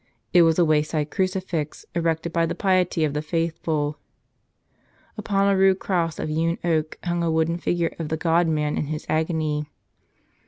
It 92 The Black Knight was a wayside crucifix, erected by the piety of the faithful. Upon a rude cross of hewn oak hung a wooden figure of the God Man in His agony.